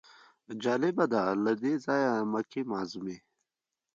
جالبه ده له دې ځایه د مکې معظمې.